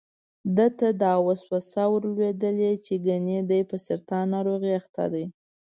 ده ته دا وسوسه ور لوېدلې چې ګني دی په سرطان ناروغۍ اخته دی.